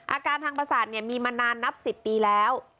อาการทางประสาทมีมานานนับ๑๐ปีแล้ว